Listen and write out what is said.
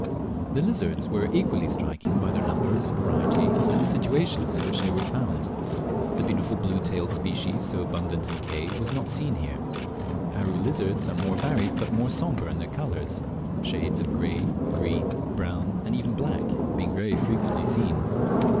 The lizards were equally striking by their numbers, variety, and the situations in which they were found. The beautiful blue tailed species so abundant in Ke was not seen here. The Aru lizards are more varied but more sombre in their colours shades of green, grey, brown, and even black, being very frequently seen.